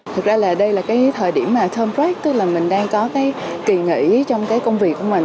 thực ra là đây là cái thời điểm mà thơmprag tức là mình đang có cái kỳ nghỉ trong cái công việc của mình